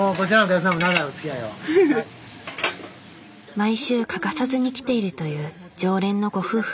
毎週欠かさずに来ているという常連のご夫婦。